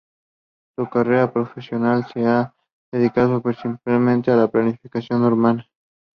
Su carrera profesional se ha dedicado principalmente a la planificación urbana.